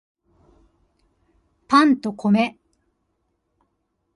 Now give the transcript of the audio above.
パンと米